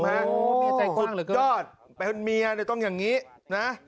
มีใจกว้างหรือครับยอดเมียต้องอย่างนี้นะ